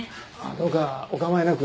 どうかお構いなく。